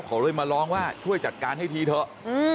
เขาเลยมาร้องว่าช่วยจัดการให้ทีเถอะ